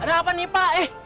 ada apa nih pak eh